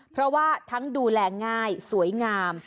เพราะว่าทั้งดูแลง่ายสวยงาม